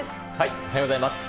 おはようございます。